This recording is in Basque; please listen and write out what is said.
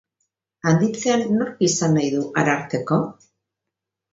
Handitzean, nork izan nahi du Ararteko?